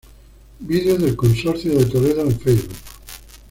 Videos del Consorcio de Toledo en Facebook.